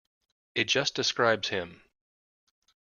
It just describes him.